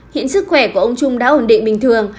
hiện sức khỏe của ông trung đã ổn định bình thường